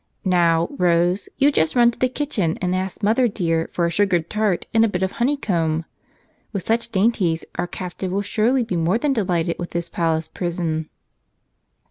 Now, Rose, you just run to the kitchen and ask mother dear for a sugared tart and a bit of honeycomb. With such dainties our captive will surely be more than delighted with his palace prison."